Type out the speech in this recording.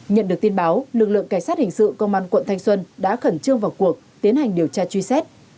nhận được tin báo lực lượng cảnh sát hình sự công an quận thanh xuân đã khẩn trương vào cuộc tiến hành điều tra truy xét